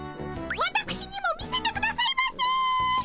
わたくしにも見せてくださいませ。